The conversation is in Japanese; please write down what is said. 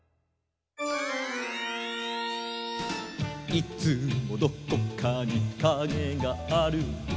「いつもどこかにカゲがある」